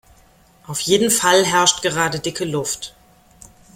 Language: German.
Auf jeden Fall herrscht gerade dicke Luft.